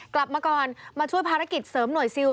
กลับมาก่อนมาช่วยภารกิจเสริมหน่วยซิล